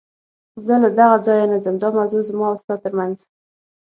زه له دغه ځایه نه ځم، دا موضوع زما او ستا تر منځ.